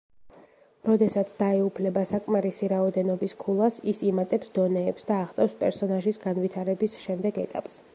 როდესაც დაეუფლება საკმარისი რაოდენობის ქულას, ის იმატებს დონეებს და აღწევს პერსონაჟის განვითარების შემდეგ ეტაპს.